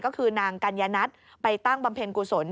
ก็คือนางกัญญนัทไปตั้งบำเพ็ญกุศล